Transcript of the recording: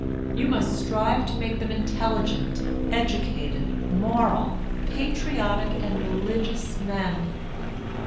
You must strive to make them intelligent, educated, moral, patriotic, and religious men.